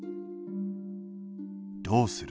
どうする？